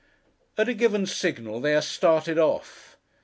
At a given signal they are started off.